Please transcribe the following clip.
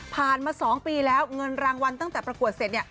มา๒ปีแล้วเงินรางวัลตั้งแต่ประกวดเสร็จ